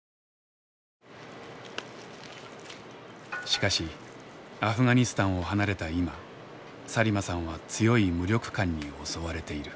しかしアフガニスタンを離れた今サリマさんは強い無力感に襲われている。